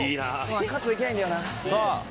カットできないんだよな。